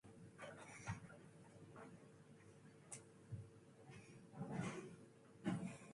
His son John eventually took over management.